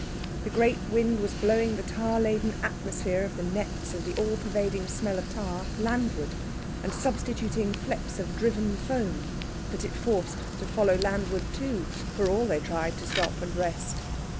The great wind was blowing the tar laden atmosphere of the nets and the all pervading smell of tar landward; and substituting flecks of driven foam, that it forced to follow landward too, for all they tried to stop and rest.